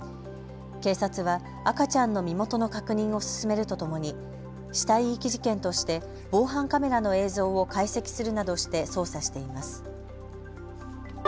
警察は赤ちゃんの身元の確認を進めるとともに死体遺棄事件として防犯カメラの映像を解析するなどして捜査しています。